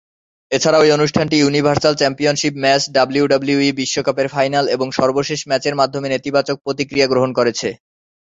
এছাড়াও এই অনুষ্ঠানটি ইউনিভার্সাল চ্যাম্পিয়নশিপ ম্যাচ, ডাব্লিউডাব্লিউই বিশ্বকাপের ফাইনাল এবং সর্বশেষ ম্যাচের মাধ্যমে নেতিবাচক প্রতিক্রিয়া গ্রহণ করেছে।